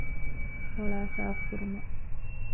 ފޮޅައި ސާފުކުރުމަށް